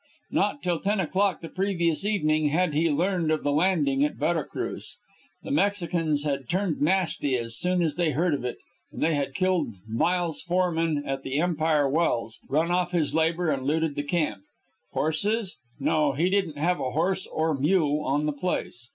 Not till ten o'clock the previous evening had he learned of the landing at Vera Cruz. The Mexicans had turned nasty as soon as they heard of it, and they had killed Miles Forman at the Empire Wells, run off his labor, and looted the camp. Horses? No; he didn't have horse or mule on the place.